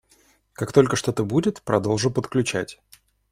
Как только что-то будет - продолжу подключать.